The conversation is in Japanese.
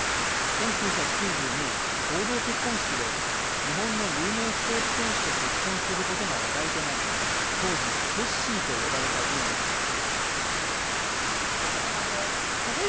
１９９２年、合同結婚式で日本の有名スポーツ選手と結婚することが話題となり当時、テッシーと呼ばれた人物です